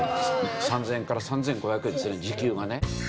３０００円から３５００円ですね時給がね。